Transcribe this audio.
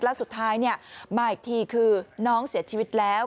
แล้วสุดท้ายมาอีกทีคือน้องเสียชีวิตแล้ว